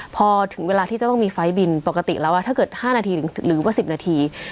พอถึงเวลาที่จะต้องมีไฟล์บินปกติแล้วถ้าเกิด๕นาทีหรือว่า๑๐นาที